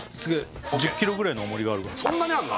そんなにあんの？